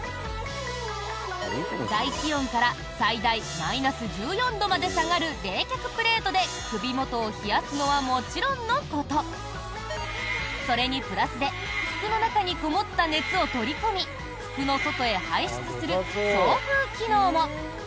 外気温から最大マイナス１４度まで下がる冷却プレートで首元を冷やすのはもちろんのことそれにプラスで服の中にこもった熱を取り込み服の外へ排出する送風機能も。